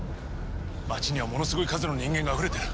街にはものすごい数の人間があふれてる。